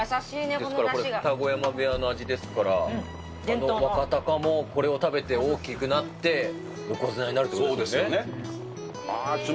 これ二子山部屋の味ですから、あの若貴もこれを食べて大きくなって、横綱になるということですそうですよね。